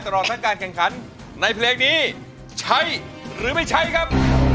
ตลอดทั้งการแข่งขันในเพลงนี้ใช้หรือไม่ใช้ครับ